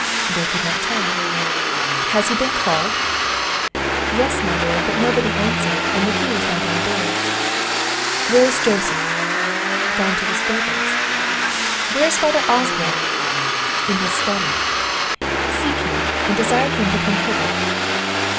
"They could not tell. "Has he been called?" "Yes, my Lord, but nobody answered, and the key was not in the door." "Where is Joseph?" "Gone into the stables." "Where is father Oswald?" "In his study." "Seek him, and desire him to come hither."